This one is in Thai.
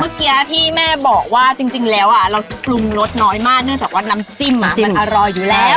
เมื่อกี้ที่แม่บอกว่าจริงแล้วเราปรุงรสน้อยมากเนื่องจากว่าน้ำจิ้มมันอร่อยอยู่แล้ว